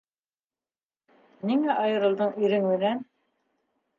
Ниңә айырылдың ирең менән?